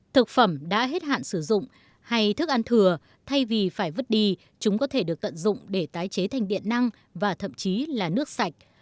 thực phẩm đã hết hạn sử dụng hay thức ăn thừa thay vì phải vứt đi chúng có thể được tận dụng để tái chế thành điện năng và thậm chí là nước sạch